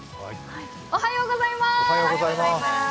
おはようございまーす。